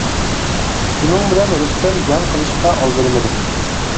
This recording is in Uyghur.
شۇنىڭ بىلەن رۇستەم جەڭ قىلىشقا ئالدىرىمىدى.